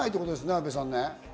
阿部さん。